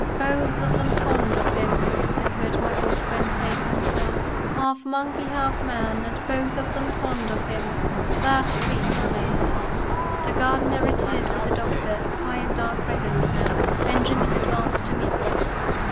"Both of them fond of him," I heard my old friend say to himself. "Half monkey, half man and both of them fond of him. That beats me." The gardener returned with the doctor a quiet, dark, resolute man. Benjamin advanced to meet them.